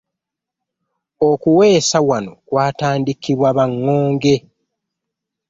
Okuweesa wano kwatandikibwa ba ŋŋonge.